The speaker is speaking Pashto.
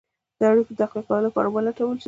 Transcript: د اړېکو د تقویه کولو لپاره ولټول شي.